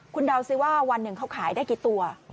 คุณเดาสิว่าวันหนึ่งเขาขายได้กี่ตัว